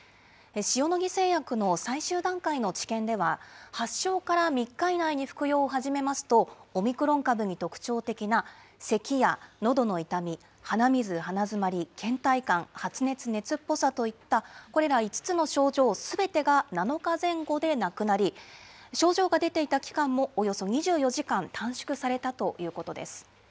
塩野義製薬の最終段階の治験では、発症から３日以内に服用を始めますと、オミクロン株に特徴的な、せきやのどの痛み、鼻水・鼻詰まり、けん怠感、発熱・熱っぽさといった、これら５つの症状すべてが７日前後でなくなり、症状が出ていた期間もおよそ２４時間短縮されたということです。